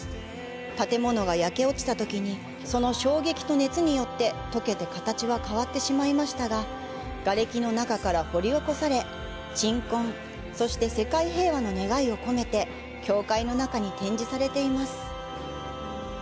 建物が焼け落ちたときにその衝撃と熱によって溶けて形は変わってしまいましたが、瓦れきの中から掘り起こされ、鎮魂、そして世界平和の願いを込めて教会の中に展示されています。